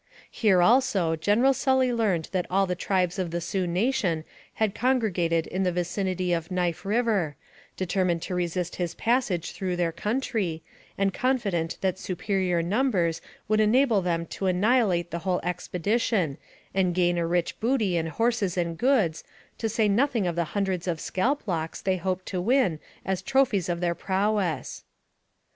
Here, also, General Sully learned that all the tribes of the Sioux nation had congregated in the vicinity of Knife River, determined to resist his passage through * their country, and confident that superior numbers would enable them to annihilate the whole expedition, and gain a rich booty in horses and goods, to say nothing of the hundreds of scalp locks they hoped to win as trophies of their prowess.